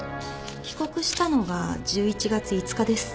帰国したのが１１月５日です。